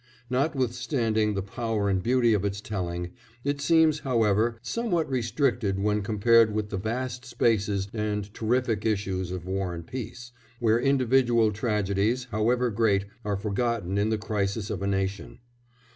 Notwithstanding the power and beauty of its telling, it seems, however, somewhat restricted when compared with the vast spaces and terrific issues of War and Peace, where individual tragedies, however great, are forgotten in the crisis of a nation.